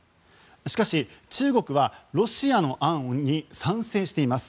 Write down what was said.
しかし、中国はロシアの案に賛成しています。